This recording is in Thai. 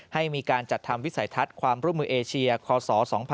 ให้มีการจัดทำวิสัยทัศน์ความร่วมมือเอเชียคศ๒๕๖๒